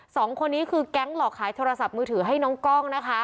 สองคนนี้คือแก๊งหลอกขายโทรศัพท์มือถือให้น้องกล้องนะคะ